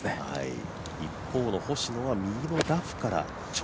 一方の星野は右のラフから。